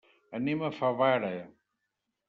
Anem a Favara.